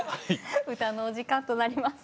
歌のお時間となります。